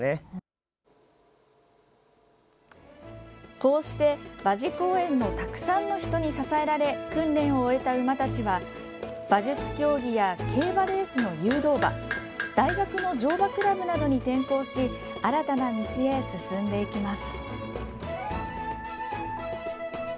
こうして馬事公苑のたくさんの人に支えられ訓練を終えた馬たちは馬術競技や競馬レースの誘導馬大学の乗馬クラブなどに転向し新たな道へ進んでいきます。